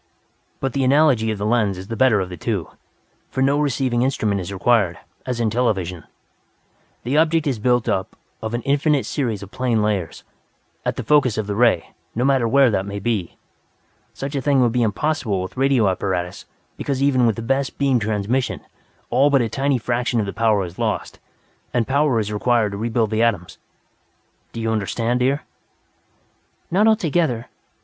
"But the analogy of the lens is the better of the two. For no receiving instrument is required, as in television. The object is built up of an infinite series of plane layers, at the focus of the ray, no matter where that may be. Such a thing would be impossible with radio apparatus because even with the best beam transmission, all but a tiny fraction of the power is lost, and power is required to rebuild the atoms. Do you understand, dear?" "Not altogether.